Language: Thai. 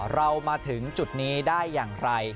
เรามาถึงจุดนี้ได้อย่างไร